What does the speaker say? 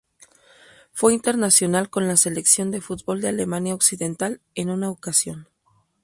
Fue internacional con la selección de fútbol de Alemania Occidental en una ocasión.